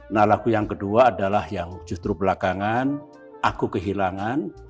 nah lagu yang kedua adalah yang justru belakangan aku kehilangan